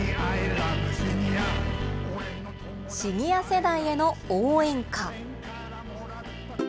シニア世代への応援歌。